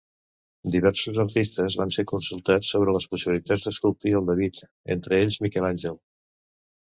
Diversos artistes van ser consultats sobre les possibilitats d'esculpir el David, entre ells Miquel Àngel.